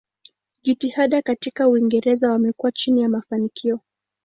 Jitihada katika Uingereza wamekuwa chini ya mafanikio.